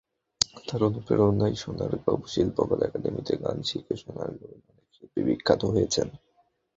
তাঁর অনুপ্রেরণায় সোনারগাঁ শিল্পকলা একাডেমিতে গান শিখে সোনারগাঁয়ের অনেক শিল্পী বিখ্যাত হয়েছেন।